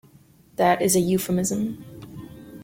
That is a euphemism.